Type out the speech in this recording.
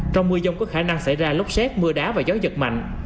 trong mưa dông có khả năng xảy ra lốc xét mưa đá và gió giật mạnh